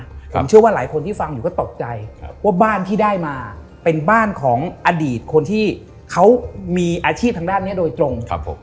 ผมเชื่อว่าหลายคนที่ฟังอยู่ก็ตกใจว่าบ้านที่ได้มาเป็นบ้านของอดีตคนที่เขามีอาชีพทางด้านนี้โดยตรง